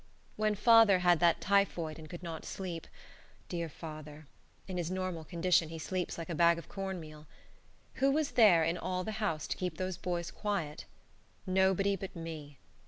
When father had that typhoid and could not sleep dear father! in his normal condition he sleeps like a bag of corn meal who was there in all the house to keep those boys quiet? Nobody but me.